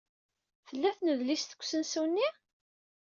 Tella tnedlist deg usensu-nni?